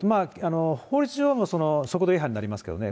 法律上、速度違反になりますけどね。